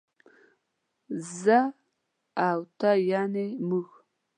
زه او ته يعنې موږ